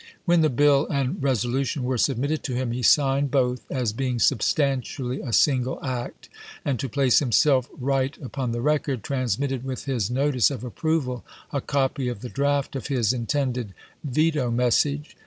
When the biU and resolu tion were submitted to him he signed both, as being substantially a single act, and, to place him self right upon the record, transmitted with his notice of approval a copy of the draft of his in tended veto message.